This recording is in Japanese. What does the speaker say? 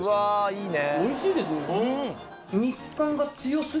いいね。